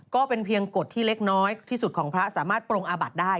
ก็เป็นเพียงกฎที่เล็กน้อยที่สุดของพระสามารถปรงอาบัติได้